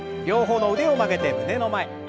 両方の腕を曲げて胸の前。